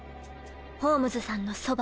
ホームズさんのそば。